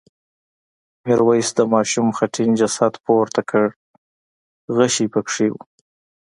میرويس د ماشوم خټین جسد پورته کړ غشی پکې و.